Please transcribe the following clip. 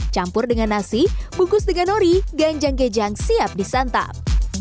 campur dengan nasi bungkus dengan nori ganjang kejang siap disantap